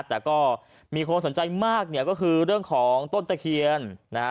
แต่ก็มีคนสนใจมากเนี่ยก็คือเรื่องของต้นตะเคียนนะฮะ